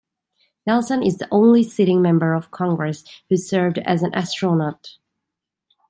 Nelson is the only sitting Member of Congress who served as an astronaut.